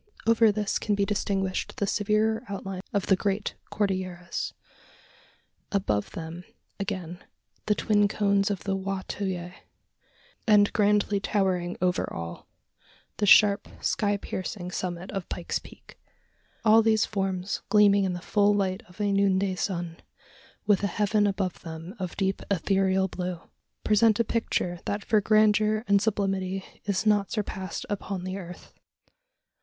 Over this can be distinguished the severer outlines of the great Cordilleras; above them, again, the twin cones of the Wa to yah; and grandly towering over all, the sharp sky piercing summit of Pike's Peak. All these forms gleaming in the full light of a noonday sun, with a heaven above them of deep ethereal blue, present a picture that for grandeur and sublimity is not surpassed upon the earth.